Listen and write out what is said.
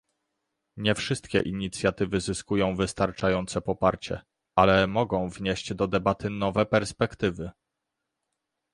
Nie wszystkie inicjatywy zyskują wystarczające poparcie, ale mogą wnieść do debaty nowe perspektywy